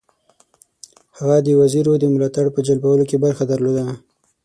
هغه د وزیرو د ملاتړ په جلبولو کې برخه درلوده.